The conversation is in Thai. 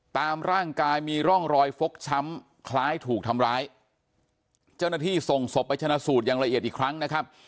ตามร่างกายมีร่องรอยฟกช้ำคล้ายถูกทำร้ายเจ้าหน้าที่ส่งศพไปชนะสูตรอย่างละเอียดอีกครั้งนะครับ